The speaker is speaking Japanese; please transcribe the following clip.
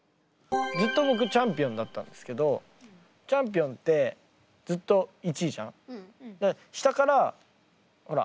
ずっとぼくチャンピオンだったんですけどチャンピオンってずっと１位じゃん。